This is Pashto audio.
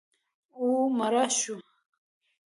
او مړه شوه